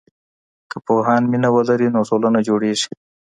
که پوهان مينه ولري، نو ټولنه جوړېږي.